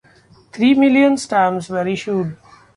Three million stamps were issued.